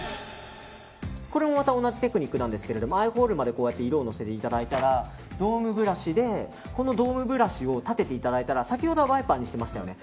これも同じテクニックなんですけどアイホールまで色をのせていただいたらこのドームブラシを立てていただいたら先ほどはワイパーにしていましたよね。